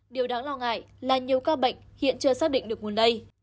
điều đáng lo ngại là nhiều ca bệnh hiện chưa xác định được nguồn lây